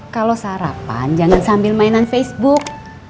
kalau sarapan jangan sambil mainan facebook